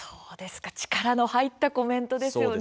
力の入ったコメントですね。